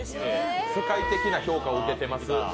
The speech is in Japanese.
世界的な評価を受けてます。